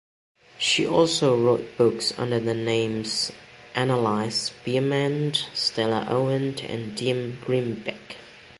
She also wrote books under the names Analize Biermann, Stella Owen and Diem Grimbeeck.